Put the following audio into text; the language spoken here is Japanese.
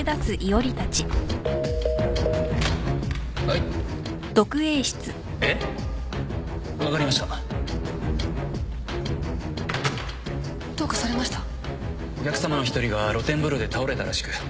お客さまの一人が露天風呂で倒れたらしく。